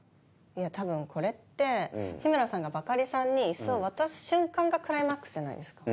いや多分これって日村さんがバカリさんにイスを渡す瞬間がクライマックスじゃないですか。